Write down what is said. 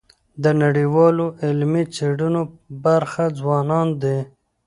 د نړیوالو علمي څېړنو برخه ځوانان دي.